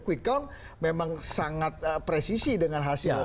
kuikang memang sangat presisi dengan hasil